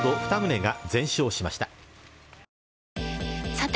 さて！